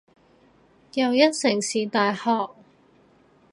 又一城市大學